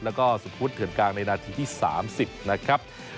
แล้วก็สุพุทธเถื่อนกลางในนาทีที่๓๐นะครับ